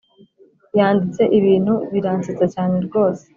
Yanditse ibintu biransetsa cyane rwose